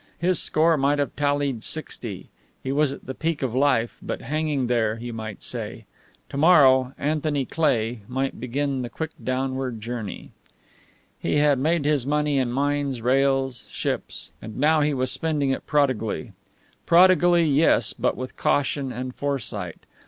His score might have tallied sixty. He was at the peak of life, but hanging there, you might say. To morrow Anthony Cleigh might begin the quick downward journey. He had made his money in mines, rails, ships; and now he was spending it prodigally. Prodigally, yes, but with caution and foresight.